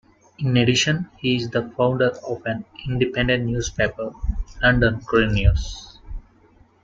In addition, he is the founder of an independent newspaper, "London Green News".